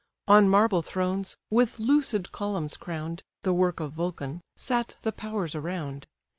On marble thrones, with lucid columns crown'd, (The work of Vulcan,) sat the powers around.